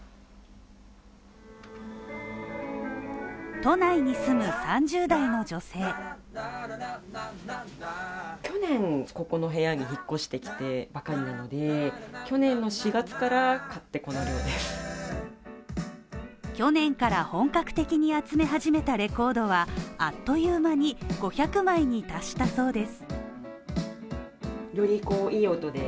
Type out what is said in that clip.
都内に住む３０代の女性去年から本格的に集め始めたレコードはあっという間に５００枚に達したそうです。